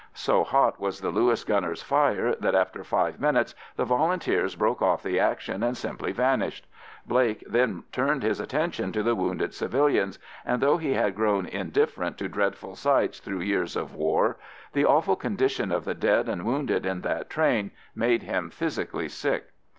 So hot was the Lewis gunner's fire that after five minutes the Volunteers broke off the action and simply vanished. Blake then turned his attention to the wounded civilians, and though he had grown indifferent to dreadful sights through years of war, the awful condition of the dead and wounded in that train made him physically sick.